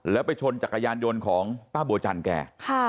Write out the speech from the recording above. แล้วไปชนจักรยานยนต์ของป้าบัวจันแก